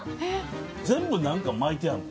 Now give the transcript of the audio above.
全部何か巻いてあんの？